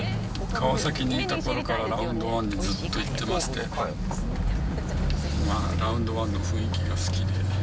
川崎にいたころからラウンドワンにずっと行ってまして、ラウンドワンの雰囲気が好きで。